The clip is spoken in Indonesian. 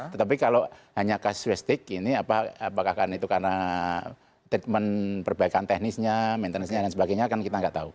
tetapi kalau hanya case joystick ini apakah karena treatment perbaikan teknisnya maintenance nya dan sebagainya kan kita nggak tahu